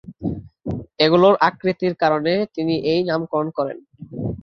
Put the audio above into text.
এগুলোর আকৃতির কারণে তিনি এই নামকরণ করেন।